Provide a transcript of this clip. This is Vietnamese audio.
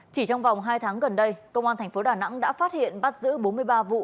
chỉ trong vòng hai tháng gần đây công an thành phố đà nẵng đã phát hiện bắt giữ bốn mươi ba vụ